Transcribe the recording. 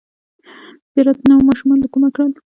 ـ زیارت نوماشومان له کومه کړل!